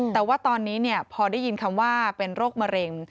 แต่ว่าตอนนี้พอได้ยินคำว่าเป็นโรคมะเร็ง